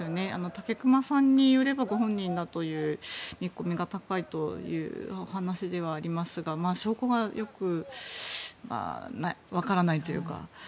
武隈さんによればご本人だという見込みが高いというお話ではありますが証拠がよくわからないというか。